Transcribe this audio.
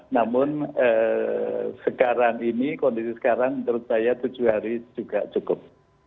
namun sekarang ini kondisi sekarang menurut saya tujuh hari juga cukup